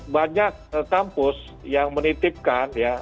banyak kampus yang menitipkan